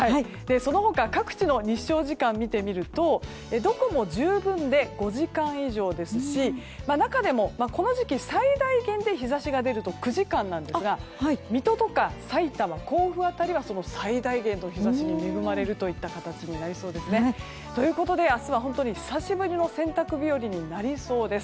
その他、各地の日照時間見てみるとどこも十分で５時間以上ですし中でもこの時期、最大限で日差しが出ると９時間なんですが水戸とかさいたま、甲府辺りは最大限の日差しに恵まれる形になりそうですね。ということで明日は本当に久しぶりの洗濯日和になりそうです。